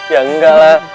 ya enggak lah